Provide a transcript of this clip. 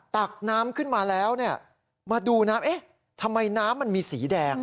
ตักน้ำขึ้นมาแล้วเนี่ยมาดูน้ำเอ๊ะทำไมน้ำมันมีสีแดง